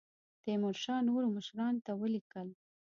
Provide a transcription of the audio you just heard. تیمورشاه نورو مشرانو ته ولیکل.